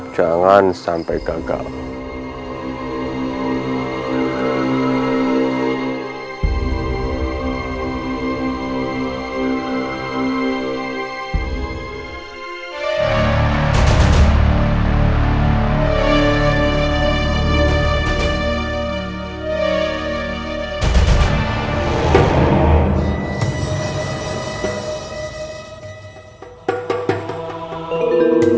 jangan sampai gagal